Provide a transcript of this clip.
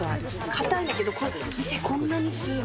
硬いんだけど、見て、こんなに吸う。